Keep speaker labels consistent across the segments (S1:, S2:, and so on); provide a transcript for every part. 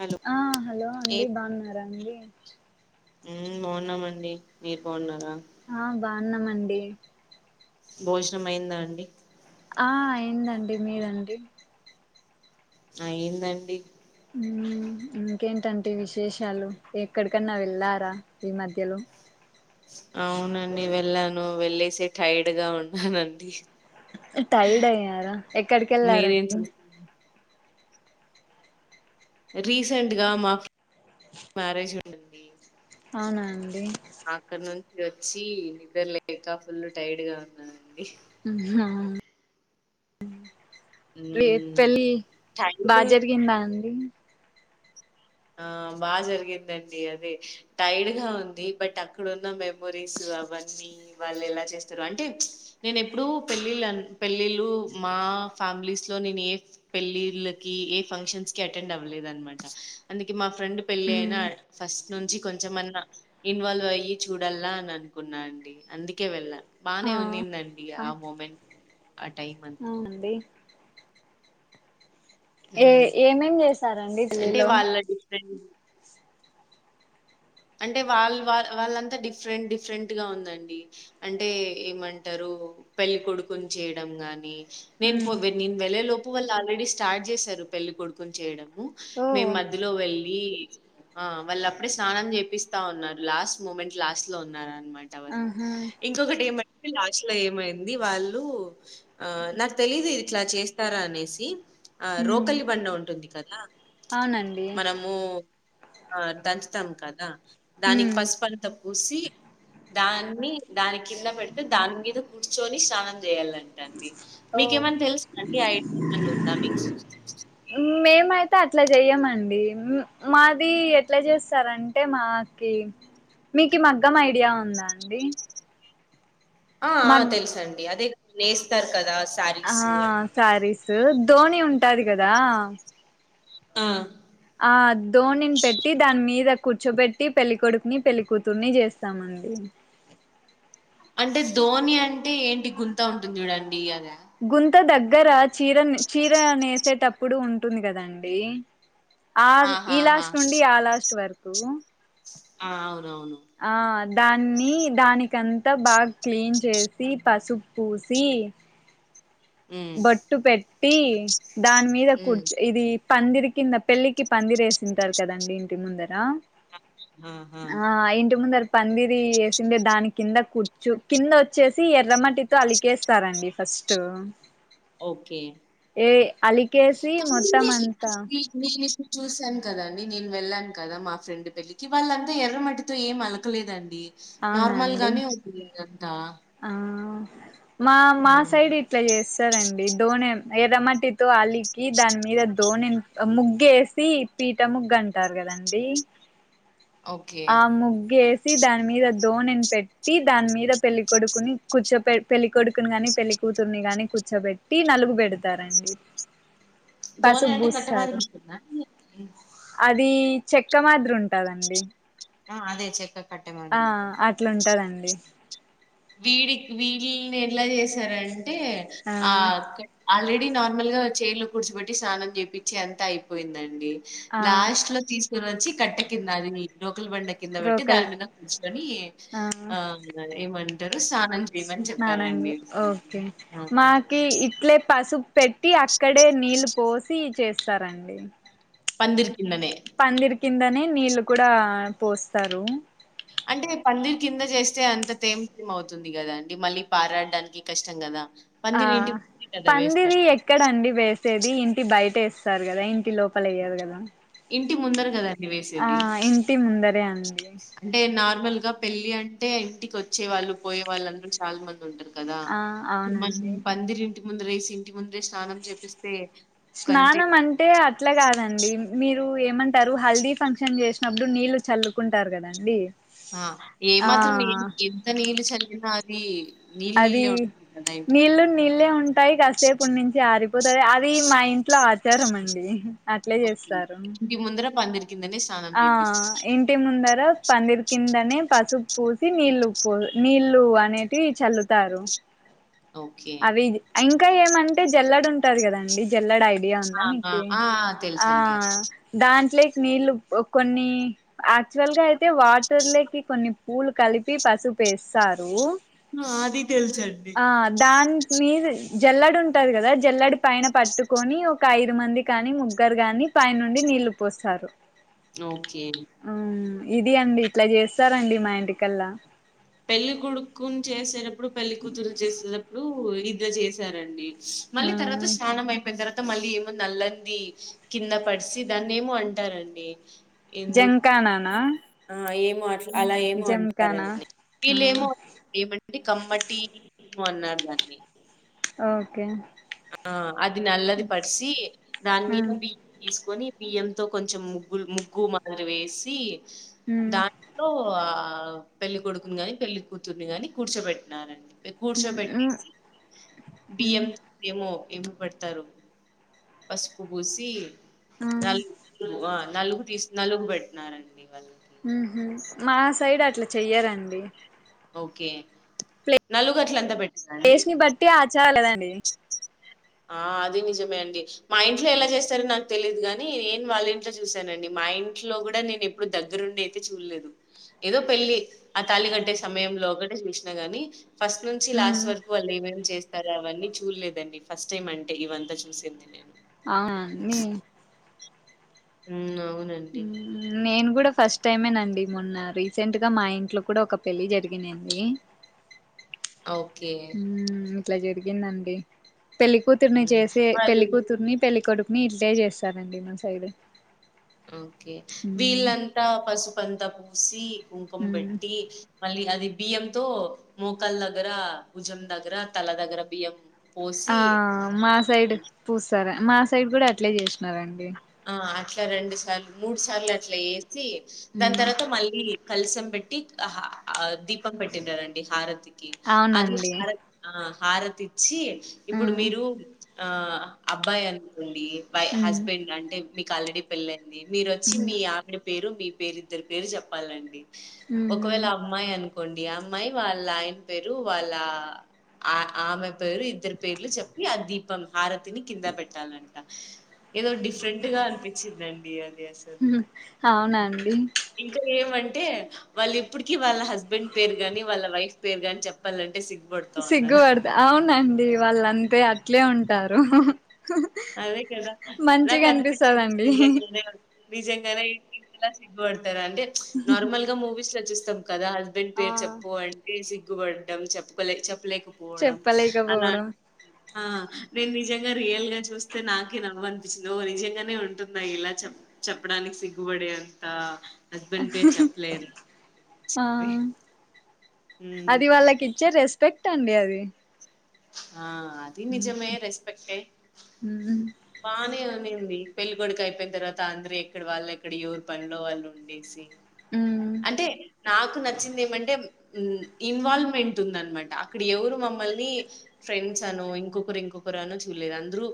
S1: Hello
S2: ఆ hello అండి బాగున్నారా అండి
S1: ఊ బాగున్నామండి మీరు బాగున్నార రా
S2: ఆ బాగున్నామండి
S1: భోజనం అయిందా అండి
S2: ఆ అయిందండి మీరండి
S1: అయిందండి
S2: ఇంకేంటండి విశేషాలు ఎక్కడికన్నా వెళ్ళారా ఈ మధ్యలో
S1: అవునండి వె వెళ్ళను వెళ్ళసి టైడ్ గా ఉన్నానండి
S2: టైర్డ్ అయ్యారా ఎక్కడికి
S1: మీరేం
S2: వెళ్లారండి
S1: చేస్తున్నారు రీసెంట్ గా మా ఫ మ్యారేజ్ ఉన్నింది
S2: అవునా అండి
S1: అక్కడ నుంచి వచ్చి నిద్ర లేక ఫుల్లు టైడ్ గా ఉన్నానండి
S2: ఉమ్ హా రే పెళ్లి
S1: మ్మ్
S2: బాగా
S1: టైర్డ్
S2: జరిగిందా అండి
S1: ఆ బాగా జరిగిందండి అదే టైర్డ్గా ఉంది బట్ అక్కడున్న మెమొరీస్ అవన్నీ వాళ్ళు ఎలా చేస్తారు అంటే నేను ఎప్పుడూ పెళ్ళిళ్ళ పెళ్ళిళ్ళ మా ఫ్యామిలీస్ లో నేను ఏ పెళ్ళిళ్ళకి ఏ ఫంక్షన్స్ కి అటెండ్ అవ్వలేదు అనమాట అందుకే మాఫ ఫ్రెండ్ పెళ్ళి అయినా
S2: మ్మ్.
S1: ఫస్ట్ నుంచి కొంచెం కొంచమన్నా ఇన్వాల్వ్ అయ్యి చూడాల్ల అని అనుకున్నాండి అందుకే వెళ్ళ
S2: ఆ
S1: బానే ఉందిందండి ఆ మూమెంట్ ఆ టైం అంతా
S2: అవునండి ఏ
S1: ఉమ్.
S2: ఏమేం చేసారండి డిల్లీ
S1: అంటే
S2: లో
S1: వాళ్ళ డిఫరెంట్ అంటే వాళ్ళ వా వాళ్ళంతా డిఫ్రెంట్ డిఫ్రెంట్ గా ఉందండి అంటే ఏమంటారు పెళ్ళికొడుకుని చేయడం గాని నేను పోగ్ నేన్ వెళ్లే లో అప్పు వాళ్లు ఆల్రెడీ స్టార్ట్ చేశారు పెళ్లి కొడుకుని చేయడం ము
S2: ఓ
S1: మేం మధ్యలో వెళ్ళి ఈ ఆ వాళ్ళు అప్పుడే స్నానం చె కపిస్తా ఉన్నారు లాస్ట్ మూమెంట్ లాస్ట్ లో ఉన్నారని మంట వాళ్ళు
S2: ఆహా
S1: ఇంకొకటి ఏమంట లాస్ట్ల ఏమైంది వాళ్ళు ఆ నాకు తెలీదు ఇట్లా చేస్తారా అనేసి ఆ
S2: మ్మ్.
S1: రోకల్లి బండ ఉంటుంది కదా
S2: అవునండి
S1: మనము ఆ దంచుతాం కదా దానికి
S2: మ్మ్.
S1: పసుపు అంతా పూసి దాన్ని దాని కింద పెడితే దాని మీద కూర్చొని స్నానం చేయాలంట అండి
S2: ఓ
S1: మీకేమన్నా తెలుసా అండి ఐడియా ఏమన్నా ఉందా మీకు
S2: మేమైతే అట్లా చెయ్యమండి మాది ఎట్లా చేస్తారంటే మాకి మీకు మగ్గం ఐడియా ఉందా అండి
S1: ఆ ఆ
S2: మగ్
S1: తెల్సండి అదే నేస్తారు కదా?
S2: ఆ
S1: శారీస్ అని
S2: సారిస్ డు ధోని ఉంటాది కదా
S1: ఆ
S2: ఆ దోనిని పెట్టి దాని మీద కూర్చోబెట్టి పెళ్లి కొడుకుని పెళ్లి కూతుర్ని చేస్తామండి
S1: అంటే ధోని అంటే ఏంటి గుంత ఉంటుంది చూడండి ఇయదా
S2: గుంత దగ్గర చీర చీర నేసేటప్పుడు ఉంటుంది కదండి ఆ ఈ
S1: ఆహాహా
S2: లాస్ట్ నుండి ఆ లాస్ట్ వరకు రువ్వు
S1: ఆ అవును
S2: ఆ అం దాన్ని దానికంతా బాగా క్లీన్ చేసి పసుపు పూసి
S1: ఉమ్
S2: బొట్టు పెట్ ట్టి దాన్మీద
S1: ఉమ్
S2: కూర్చ్ ఇది పందిరి కింద పెళ్ళికి పందిర వేసింటారు కదండి ఇంటి ముందర
S1: ఆహా
S2: ఆ ఇంటి ముందర పందిరి వేసిండే దాని కింద కూర్చు కింద వచ్చేసి ఎర్రమట్టితో అలికేస్తారండి ఫస్ట్
S1: ఓకే
S2: ఏ అలికేసి మొత్తం అంతా
S1: [unintelligible] చూసాను కదండి నేను వెళ్ళాను కదా మా ఫ్రెండ్ పెళ్లికి వాళ్ళంతా ఎర్రమటితో ఏం అలకలేదండి. నార్మల్
S2: అవునండి
S1: గానే ఉంది [unintelligible] ఆ
S2: ఆ మా మా
S1: ఆ!
S2: సైడ్ ఇట్లా చేస్తారండి దోనే ఎర్ర మట్టితో అలీ కి దాని మీద దోనే ముగ్గు వేసి పీట ముగ్గు అంటారు కదండి
S1: ఓకే.
S2: ఆ ముగ్గు వేసి దానిమీద దోణిని పెట్టి దాని మీద పెళ్లి కొడుకుని కూర్చో పెళ్లి కొడుకుని గాని పెళ్లి కూతుర్ని గాని కూర్చోబెట్టి నలుగు పెడతారండి
S1: దోనే
S2: పసుపు
S1: అంటే కట్టమాదిరి
S2: పూస్తారు
S1: ఉంటుంద అండి
S2: అది చెక్క మాదిరి ఉంన్ టదండి
S1: ఆ అదే చెక్క కట్టె
S2: ఆ
S1: మాదిరి ఉంటుంది.
S2: అట్లుంటదండి
S1: వీడి వీడిళని ఎలా చేసారండి ఆ ఆల్రెడీ నార్మల్ గా చేర్ లో కూర్చిబెట్టి స్నానం చేపిచ్చి అంత అయిపోయిందండి
S2: ఆ
S1: లాస్ట్ లో తీసు వచ్చి కట్టే కిందదినీ [unintelligible] రోకల్ బండ కింద పెట్టి
S2: రోకల్
S1: దాని మీద కూంచోనీ ఆ ఏమ
S2: స్నానం జే ఓకే
S1: ఆ!
S2: మాకి ఇట్లే పసుపు పెట్టి అక్కడే నీళ్ళు పోసి చేస్త సరే అండి
S1: పందిరి కిందనే
S2: కిందనే నీళ్ళు కూడా పోస్తారు
S1: అంటే పందిర్ కింద చేస్తే అంత తేం తేం అవుతుంది కదా అండి మళ్ళీ పారాడడానికి కష్టం కదా.
S2: ఆ
S1: పందిరి ఇంటి ముందే కదా
S2: పందిరీ
S1: వేస్తారు.
S2: ఎక్కడండి వేసేది ఇంటి బయట ఏస్ ఏస్తారు కదా ఇంటి లోపల ఎయ్యారు కదా
S1: ఇంటి ముందరు కదా
S2: ఆ
S1: వేసేది
S2: ఇంటి ముందరే అండి
S1: అంటే నాకు నార్మల్గా పెళ్ళి అంటే ఇంటికి వచ్చే వాళ్ళు పోయే వాళ్ళుందరూ చాలా మంది ఉంటారు కదా
S2: ఆ
S1: మరి
S2: అవునండి
S1: పందిరి ముందు రిసింట్ కంతే
S2: స్నానం అంటే అట్లా కాదండి మీరు మీరు ఏమంటారు హల్దీ ఫంక్షన్ చేసినప్పుడు నీళ్ళు చల్లుకుంటారు కదండి
S1: ఆ
S2: ఆ
S1: ఏమాత్రం ఏ ఎంత నీళ్ళు చల్లి నాది
S2: అది నీళ్లు నీళ్ళే ఉంటాయి కాసేపుటి నుంచి ఆరిపోతది అది మా ఇంట్లో ఆచారం అండి అట్లే
S1: ఓకే.
S2: చేస్తారు
S1: ఇంటి ముందర పందిరి కిందనే స్నానం
S2: ఆ
S1: చేపిస్తారు.
S2: ఇంటి ముందర పందిర్ కిందనే పసుపు పూసి నీళ్ళు పో నీళ్ళ అనేటివి చల్లుతారు
S1: ఓకే.
S2: అవి ఇంకా ఏమంటే జల్లడుం టాది కదండి జల్లెడ ఐడియా ఉందా
S1: ఆ! ఆ!
S2: మీకు
S1: ఆ!
S2: ఆ
S1: తెలుసండి అది.
S2: దాంట్ల నీళ్ళు కొన్ని యాక్చువల్ గా అయితే తే వాటర్లకి కొన్ని పూలు కలిపి పసుపేస్తారు
S1: అది తెలుసండి
S2: దాన్ మీరు జల్లడి ఉంటంది కదా జల్లడి పైన పట్టుకొని ఒక ఐదు మంది కాని ముగ్గురు కాని పైన నుండి నీళ్లు పోస్తారు
S1: ఓకే
S2: ఆ ఇది అండి ఇట్లా చేస్తారండి మా ఇంటికల్లా
S1: పెళ్లి కొడుకును చేసేటప్ ప్పుడు పెళ్లి కూతురు చేసేటప్పుడు పు ఇద్ద చేసారండి
S2: ఆ
S1: మళ్ళీ తర్వాత స్నానం అయిపోయిన తర్వాత మళ్ళీ ఏముంది నల్ల అది కింద పడిసి దాన్ని ఏమో అంటారండి
S2: జంకనానా
S1: మార్ అలా ఏమో అంటారండి
S2: ఆ
S1: వీళ్ళేమో ఏమండి కమ్మటి మొ అన్నారు దన్ని
S2: ఓకే
S1: ఆ అది నల్లది పరిసి దాని
S2: ఆ
S1: మీద బి తీస్ కని బియ్యంతో కొంచెం ముగ్గులు ముగ్గు మాదిరి వేసి
S2: ఉమ్
S1: దాంట్లో అ అ పెళ్లి కొడుకుని గాని పెళ్లి కూతుర్ని గాని కూర్చోబెట్టినారండి పె
S2: మ్
S1: కూర్చోబెట్టేసి,
S2: హు
S1: బియ్యంతో ఏమో ఏమ పెడతారు పసుపు పూసి
S2: ఆ
S1: [unintelligible] అ నలుగు తీసి నలుగు పెట్టినారండి వాళ్ళ
S2: ఉహు మా సైడ్ అట్లా చెయ్యారండి
S1: ఓకే నలుగట్లంతా పెట్
S2: దేశని బట్టి ఆ చాలేదండి
S1: ఆ అది నిజమే అండి, మా ఇంట్లో ఎలా చేస్తారో నాకు తెలియదు కాని నేను వాళ్ళ ఇంట్లో చూసానండి మా ఇంట్లో కూడా నేను ఎప్పుడు దగ్గరుండి అయితే చూడలేదు, ఏదో పెళ్లి ఆ తాళి కట్టే సమయంలో కూడాే చూసినా గాని ఫస్ట్ నుంచి లాస్ట్ వరకు వాళ్ళు ఏమం చేస్ సే అవన్నీ చూడలేదండి ఫస్ట్ టైం అంటే ఇవంతా చూసింది నేను
S2: ఆ మ్
S1: మ్
S2: మ్ నేన్ కూడా ఫస్ట్ టైమేనండి మొన్న రీసెంట్ గా మా ఇంట్లో కూడా ఒక పెళ్ళి జరిగినింది
S1: ఓకే
S2: ఇట్లా జరిగిందండి పెళ్లికూతుర్ని
S1: హ్మ్.
S2: చేసే
S1: వాళ్ళు
S2: పెళ్లికూతుర్ని పెళ్ళికొడు మీ ఇట్టే చేస్తారండి మా సైడ్
S1: ఓకే
S2: మ్
S1: వీళ్ళంతా పసుపంత సీ కుంకుం
S2: మ్
S1: పెట్టి మళ్ళి అది బియ్యంతో మోకాలు దగ్గర భుజం దగ్గర తల దగ్గర బియ్యం
S2: ఆ
S1: పోసి
S2: మా సైడ్ పూస్తార మా సైడ్ కూడా అట్లే చేసినారండి
S1: ఆ అట్ల రెండు సార్లు మూడు సార్లు అట్ల ఏస్ సి దాని
S2: మ్
S1: తర్వాత మళ్ళీ కల్సం పెట్టి ఆహా ఆ దీపం పెట్టినారండి హారతి కి అది [inaudible]
S2: అవునండి
S1: ఆ హారతి సి ఇప్పుడు
S2: మ్
S1: మీరు ఆ అబ్బాయన్ అండి బై
S2: మ్
S1: హస్బెండ్ అం మీక్ ఆల్రెడీ పెళ్ళై మీరు వచ్చి
S2: మ్
S1: మీ ఆవిడ పేరు మీ పేరు ఇద్దరు పేర్లు చెప్పాలండి
S2: మ్
S1: ఒకవేళ అమ్మాయి అను కొండి అమ్మాయి వాళ్ళ ఆయన పేరు వాళ్ళ ఆ ఆమె పేరు ఇద్దరు పేర్లు చెప్పి ఆ దీపం హారతిని కింద పెట్టాలం ఏదో డిఫ్రెన్ట్ గా అనిపిచ్చిందండి అది అసలు
S2: హ్మ్ అవునండి
S1: టే వాళ్ళు ఇప్పటికి వాళ్ళ హస్బెండ్ పేరు గాని వాళ్ళ వైఫ్ పేరు గాని చెప్పాలంటే సిగ్
S2: సిగ్గు పడుత అవున్ డి వాళ్ళ అంతే అట్లే ఉంటారు
S1: అదే కదా
S2: మంచిగా
S1: నాకనిపించింది
S2: అనిపిస్తదండి
S1: నిజంగనే అని నిజంగానే ఇంకా సిగ్గుబడ అంటారండి నార్మల్ గా మూవీస్ స్ం [unintelligible] కదా హస్బెండ్
S2: ఆ
S1: పేరు చెప్పు అంటే సిగ్ [unintelligible] పడ్డం చెప్ప చెప్పలే
S2: చెప్పలేకపోవడం
S1: ఆ నేను నిజంగా రియల్ గా చూస్ స్తే నాకే నవ్వు అనిపించింది ఓ నిజంగానే ఉంటుంద ఇలా చె చెప్పడానికి సిగ్గుపడే అంత హస్బండ్ పేరు చెప్పలే
S2: ఆ
S1: [unintelligible]
S2: అది వాళ్ళకి ఇచ్చే రెస్పెక్ట్ [unintelligible] కట్టడి అది
S1: అ [unintelligible] ఆ అది నిజమే రెస్పెక్టే
S2: ఉమ్
S1: బానే ఉనింది పెళ్ళికొడుకి అయిపోయిన తర్వాత అందరు ఎక్కడ వాళ్ళు ఎక్కడ వరి పనిలో వాళ్ళు ఉండేసి
S2: ఉమ్
S1: అంటే నాకు నచ్చింది ఏమంటే ఇన్వాల్వ్మెంట్ ఉందనమాట అక్కడ ఎవరు మమ్మల్ని ఫ్రెండ్స్ అనో ఇంకొకరు ఇంకొకరు అనో చూడలేదు అందరూ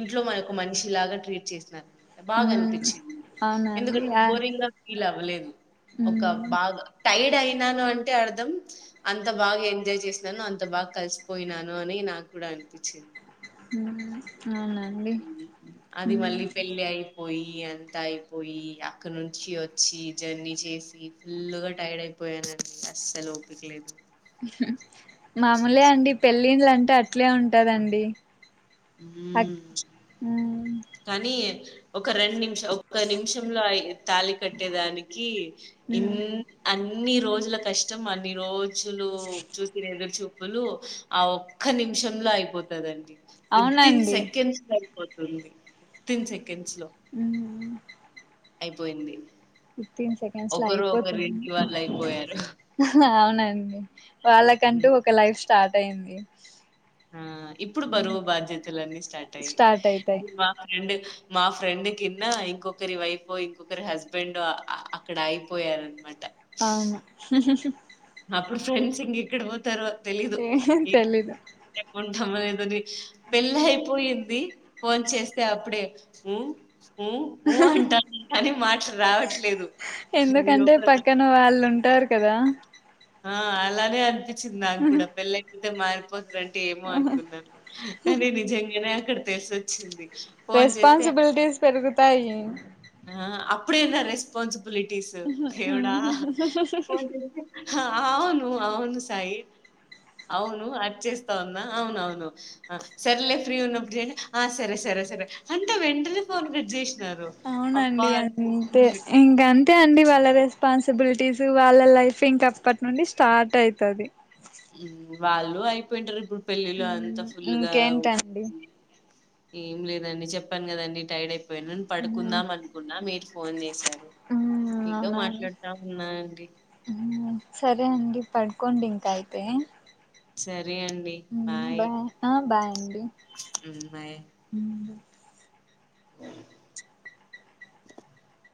S1: ఇంట్లో మన ఒక మనిషి లాగా ట్రీట్ చేసినారు బాగా
S2: ఉమ్
S1: అనిపించింది
S2: అవునండి
S1: ఎందుకంటే
S2: ఆ
S1: బోరింగ్ గా ఫీల్ అవ అవ్వలేదు ఒక
S2: ఉమ్
S1: బాగా టైర్డ్ అఐ నాను అంటే అర్థం అంత బాగా ఎంజాయ్ చేసినాను అంత బాగా కలిసిపోయినాను అని నాకు కూడా అనిపించింది
S2: ఊ అవునండి ఊ
S1: పోయి అంతా అయిపోయి అక్కడ నుంచి వచ్చి జర్నీ చేసి ఫుల్గా టైర్డ్ అయిపోయానండి అస్సలు ఓపికలేదు
S2: ఉహు మామూలే అండి పెళ్ళిళ్ అంటే అట్లే ఉంటదండి
S1: ఊ
S2: అక్ ఉమ్
S1: కనీ ఒక రెండు నిమిష్ ఒక్క నిమిషంలో ఐద్ తాళి కట్టేదానికి ఇన్
S2: ఉమ్
S1: అన్ అన్ని రోజుల కష్టం అన్ని రో జులు చూసిన ఎదురు చూ ప్పులు ఆ ఒక్క నిమిషంలో అయిపోతదండి వితిన్
S2: అవునండి
S1: సెకండ్స్ ల ఐపోతది రుంది తిన్ చెక్ తిన్స్ లొ
S2: ఉమ్
S1: అయిపోయింది
S2: ఫిఫ్టీన్ సెకండ్స్ ల
S1: ఒకరు ఒకరి
S2: అయిపోతుంది
S1: ఇంటి వాళ్ళు అయిపోయారు
S2: ఆహ్ ఆ నండి వాళ్ళకంటూ ఒక లైఫ్ స్టార్ట్ అయింది
S1: ఆ ఇప్పుడు
S2: ఉమ్
S1: బరువు బాధ్యతలున్నీ స్టార్ట్ అయ్యాయి మా రెండు మా ఫ్రెండ్ కిన్నా ఇంకొకరి వైఫ్ ఇంకొకరి హస్బెండ్ అక్కడ అయిపోయారనమాట
S2: అవును [unintelligible]
S1: అప్పుడు ఫ్రెండ్స్ ఇంగ్ ఎక్కడ పోతారు తెలీదు
S2: ఏం
S1: ఇ
S2: తెలీదు
S1: ఏమో డమ్మలేదు అది పెళ్ళయిపోయిన్ ది ఫోన్ చేస్తే అప్పుడే ఉ ఊ ఊ అంటాారు కానీ మాటలు రావట్లేదు అయ్యో
S2: ఎందుకంటే
S1: ప్రదానం
S2: పక్కన వాళ్ళు ఉంటారు కదా
S1: ఆ అలానే అనిపిత్ చింది నా కూడా పెళ్లయిపోతే మారి పోతారండి ఏమో అనుకున్నాను కానీ నిజంగనే ఏతేసి వచ్చింది,
S2: రెస్పాన్సిబిలిటీస్ పెరుగుతాయి.
S1: అప్పుడెన్న రెస్పాన్స్, ట్విటీస్ దేవుడా కొంచం అవును అవును సాయి అవును అట్ చేస్తా ఉన్నా, అవున అవును సరేలే ఫ్రీ ఉన్నప్పుడు ఆ సరే సరే సరే అంటే వెంటనే ఫోన్ కట్ చేసి,
S2: అవునండి అంతే ఇంకాం అంతే అండి వాళ్ళ రెస్పాన్సిబిలిటీస్ వాళ్ళ లైఫ్ ఇంక అప్పటి నుండి స్టార్ట్ అయితది.
S1: వాళ్ళు అయిపోయింటారు ఇప్పుడు పెళ్ళిలో అంతా
S2: ఉమ్,
S1: ఫుల్గా ఉ
S2: ఇంకేంటండి
S1: ఏం లేదండి చెప్పాను కదండి టైడ్ అయిపో నుండి
S2: ఉమ్,
S1: పడుకుందాం అనుకున్నా, మీరు ఫోన్ చేశారు
S2: ఉమ్,
S1: మీతో
S2: అవునా
S1: మాట్లాడుతా ఉన్నా అండి.
S2: ఉమ్, సరే అండి పడుకోండి ఇంకాయితే
S1: సరే అండి
S2: ఉ
S1: బాయ్
S2: బా బాయ్ అండి,
S1: హ్మ్ బాయ్
S2: ఉ
S1: [unintelligible]